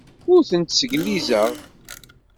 Ur tent-sneglizeɣ.